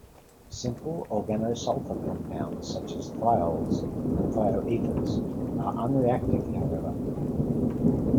Simple organosulfur compounds such as thiols and thioethers are unreactive, however.